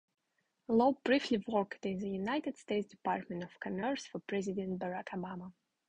Lau briefly worked in the United States Department of Commerce for President Barack Obama.